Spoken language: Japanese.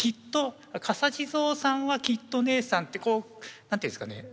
「笠地蔵さんはきっと義姉さん」ってこう何て言うんですかね